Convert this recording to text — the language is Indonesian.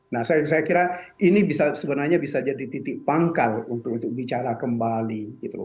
nah saya kira ini bisa sebenarnya bisa jadi titik pangkal untuk bicara kembali gitu loh